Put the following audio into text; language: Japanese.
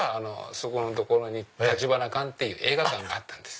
そこの所に橘館っていう映画館があったんです。